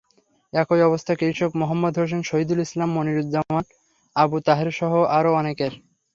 একই অবস্থা কৃষক মোহাম্মদ হোসেন, শহীদুল ইসলাম, মনিরুজ্জামান, আবু তাহেরসহ আরও অনেকের।